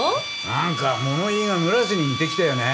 なんか物言いが村瀬に似てきたよね。